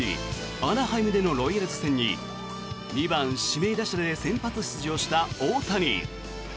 アナハイムでのロイヤルズ戦に２番指名打者で先発出場した大谷。